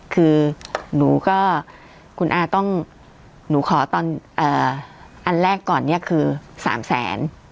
คือหนูก็คุณอาต้องหนูขอตอนอันแรกก่อนเนี่ยคือ๓แสน